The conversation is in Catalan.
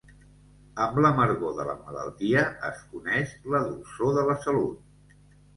Amb l'amargor de la malaltia es coneix la dolçor de la salut.